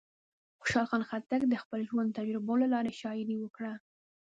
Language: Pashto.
خوشحال خان خټک د خپل ژوند د تجربو له لارې شاعري وکړه.